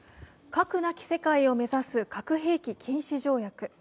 核なき世界を目指す核兵器禁止条約。